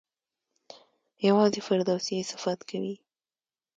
یوازې فردوسي یې صفت کوي.